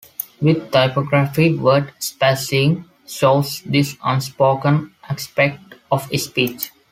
With typography, word spacing shows this unspoken aspect of speech.